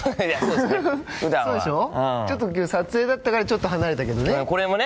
そうでしょ、きょう撮影だったからちょっと離れたけどね。